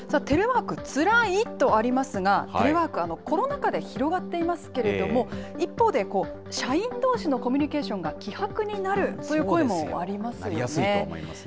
テレワークつらい？とありますが、テレワーク、コロナ禍で広がっていますけれども、一方で、社員どうしのコミュニケーションが希薄なりやすいと思いますね。